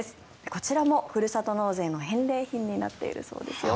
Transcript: こちらもふるさと納税の返礼品になっているそうですよ。